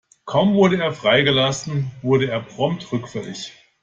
Kaum wurde er freigelassen, wurde er prompt rückfällig.